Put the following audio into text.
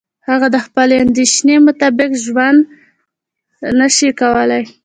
هغه د خپلې اندیشې مطابق ژوند نشي کولای.